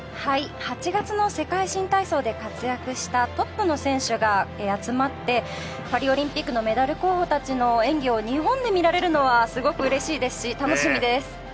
８月の世界新体操で活躍したトップの選手が集まってパリオリンピックのメダル候補たちの演技を日本で見られるのはすごく嬉しいですし楽しみです。